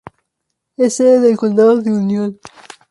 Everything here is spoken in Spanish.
Es sede del condado de Union.